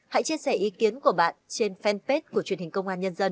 hãy chia sẻ ý kiến của bạn trên fanpage của truyền hình công an nhân dân